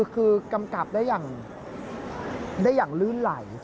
คือกำกับได้อย่างลื่นไหล